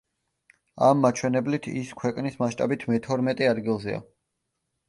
ამ მაჩვენებლით ის ქვეყნის მასშტაბით მეთორმეტე ადგილზეა.